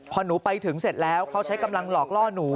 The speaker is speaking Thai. พอหนูไปถึงเสร็จแล้วเขาใช้กำลังหลอกล่อหนู